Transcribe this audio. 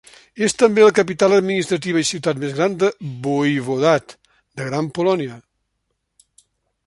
És també la capital administrativa i ciutat més gran del Voivodat de Gran Polònia.